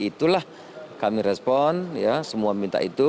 itulah kami respon semua minta itu